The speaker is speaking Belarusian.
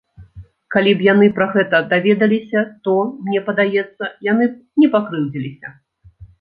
Калі б яны пра гэта даведаліся, то, мне падаецца, яны б не пакрыўдзіліся.